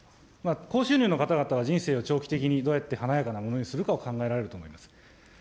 高収入の方々は人生を長期的にどうやって華やかなものにするかを考えられると思います。